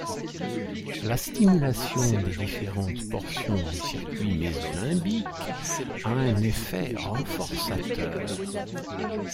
La stimulation des différentes portions du circuit mésolimbique a un effet renforçateur.